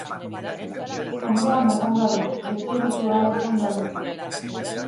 Ondoan egon gabe, despeditu ahal izan gabe.